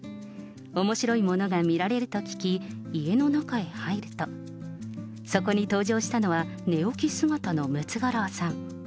おもしろいものが見られると聞き、家の中へ入ると、そこに登場したのは、寝起き姿のムツゴロウさん。